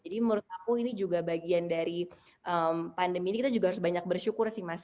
jadi menurut aku ini juga bagian dari pandemi ini kita juga harus banyak bersyukur sih mas